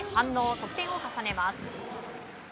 得点を重ねます。